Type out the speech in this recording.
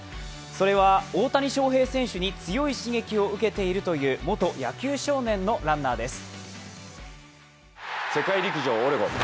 それは大谷翔平選手に強い刺激を受けているという元野球少年のランナーです。